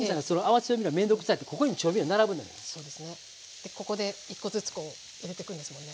でここで１個ずつこう入れていくんですもんね。